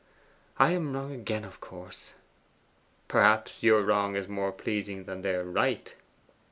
'I am wrong again, of course.' 'Perhaps your wrong is more pleasing than their right.